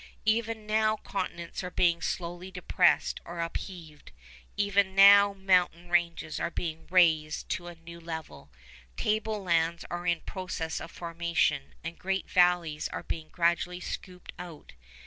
Even now continents are being slowly depressed or upheaved, even now mountain ranges are being raised to a new level, table lands are in process of formation, and great valleys are being gradually scooped out.